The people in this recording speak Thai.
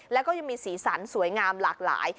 แล้วก็ยังมีสีสันสวยงามหลากหลาย